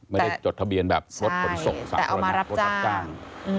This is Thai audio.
ไม่ได้จดทะเบียนแบบรถผลส่งสาขนาดรับจ้าง